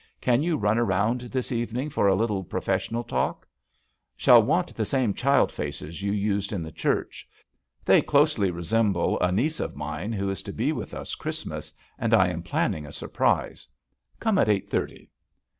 Can you run around this evening for a little professional ^ JUST SWEETHEARTS talk? Shall want the same child faces you used in the church. They closely resemble a niece of mine who is to be with us Christmas, and I am planning a surprise. Come at eight thirty."